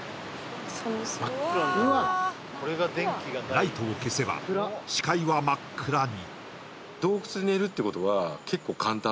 ライトを消せば、視界は真っ暗に。